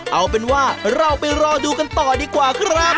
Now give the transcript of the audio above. เอาเป็นว่าเราไปรอดูกันต่อดีกว่าครับ